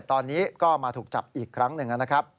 ตอนนี้ก็มาถูกจับอีกครั้งหนึ่งนะครับ